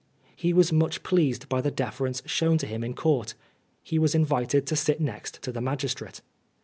He was much pleased by the deference shown to him in Court. He was invited to sit next to the magistrate.